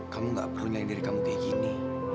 kamu gak perlu nyayang diri kamu kayak gini